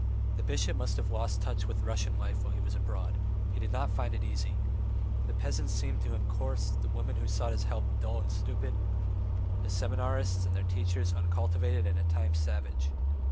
The bishop must have lost touch with Russian life while he was abroad; he did not find it easy; the peasants seemed to him coarse, the women who sought his help dull and stupid, the seminarists and their teachers uncultivated and at times savage.